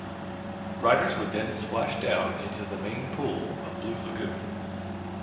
Riders would then splash down into the main pool of Blue Lagoon.